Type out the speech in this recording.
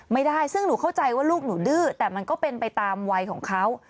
ไม่ได้ซึ่งหนูเข้าใจว่าลูกหนูดื้อแต่มันก็เป็นไปตามวัยของเขา